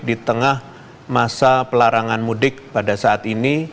di tengah masa pelarangan mudik pada saat ini